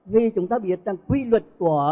vì chúng ta biết là quy luật của